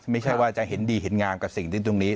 ไม่ใช่ว่าจะเห็นดีเห็นงามกับสิ่งที่ตรงนี้